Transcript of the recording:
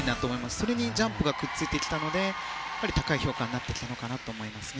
それにジャンプがくっついてきたので高い評価になってきたのかなと思いますね。